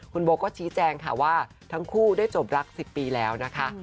คุณโบก็ชี้แจงค่ะว่าทั้งคู่ได้จบรัก๑๐ปีแล้วนะคะ